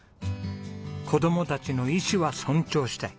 子供たちの意思は尊重したい。